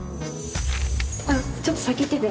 あっちょっと先行ってて。